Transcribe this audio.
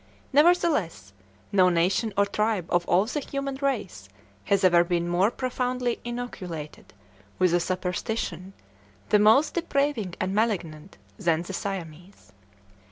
Nevertheless, no nation or tribe of all the human race has ever been more profoundly inoculated with a superstition the most depraving and malignant than the Siamese.